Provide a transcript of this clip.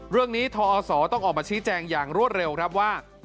ทอศต้องออกมาชี้แจงอย่างรวดเร็วครับว่า